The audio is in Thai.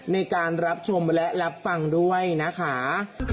ในการรับชมและรับฟังด้วยนะคะ